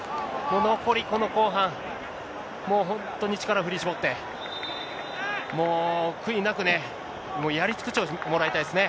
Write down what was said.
残りこの後半、もう本当に力振り絞って、もう悔いなくね、やり尽くしてもらいたいですね。